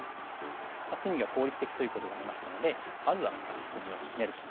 隅が効率的ということがありましたのでまずはアキ隅をシメると。